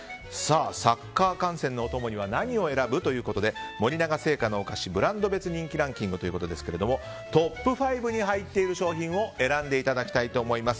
サッカー観戦のお供には何を選ぶ？ということで森永製菓のお菓子ブランド別人気ランキングですけどもトップ５に入っている商品を選んでいただきたいと思います。